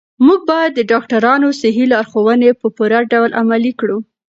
موږ باید د ډاکترانو صحي لارښوونې په پوره ډول عملي کړو.